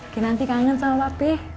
ke nanti kangen sama papi